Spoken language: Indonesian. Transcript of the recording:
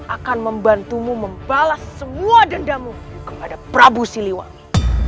akan membantumu membalas semua dendamu kepada prabu siliwangi